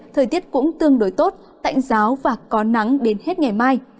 thời tiết cũng tương đối tốt tạnh giáo và có nắng đến hết ngày mai